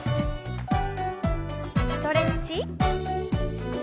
ストレッチ。